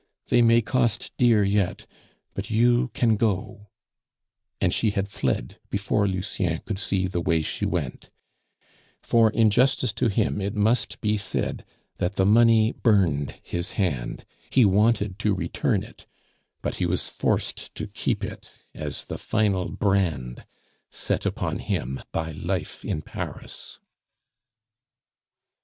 "They may cost dear yet; but you can go," and she had fled before Lucien could see the way she went; for, in justice to him, it must be said that the money burned his hand, he wanted to return it, but he was forced to keep it as the final brand set upon him by life in Paris.